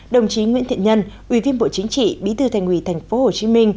đồng chí nguyễn thiện nhân ủy viên bộ chính trị bí thư thành ủy tp hcm